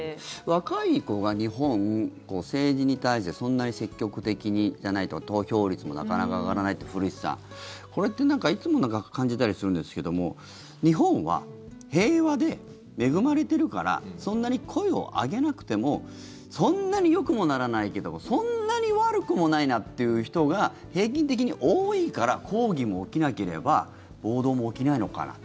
若い子が日本政治に対してそんなに積極的じゃないと投票率もなかなか上がらないって古市さん、これってなんかいつも感じたりするんですけども日本は平和で恵まれてるからそんなに声を上げなくてもそんなによくもならないけどもそんなに悪くもないなって人が平均的に多いから抗議も起きなければ暴動も起きないのかな。